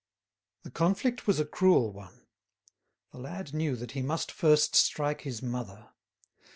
The conflict was a cruel one; the lad knew that he must first strike his mother.